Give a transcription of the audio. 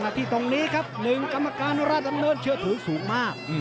ที่ตรงนี้ครับ๑กรรมการราชดำเนินเชื่อถือสูงมาก